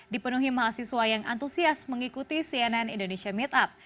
dipenuhi mahasiswa yang antusias mengikuti cnn indonesia meetup